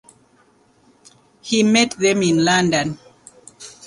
He met them in London.